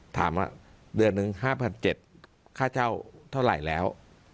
ถามว่าเดือนหนึ่ง๕๗๐๐ค่าเช่าเท่าไหร่แล้ว